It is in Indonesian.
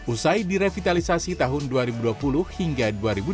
usai direvitalisasi tahun dua ribu dua puluh hingga dua ribu dua puluh